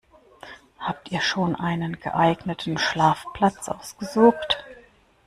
Habt ihr schon einen geeigneten Schlafplatz ausgesucht?